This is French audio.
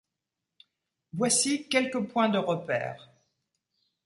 Voici quelques points de repère.